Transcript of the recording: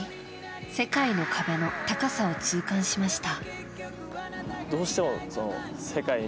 世界の壁の高さを痛感しました。